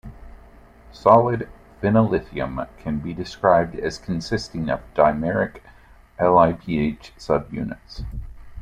Solid phenyllithium can be described as consisting of dimeric LiPh subunits.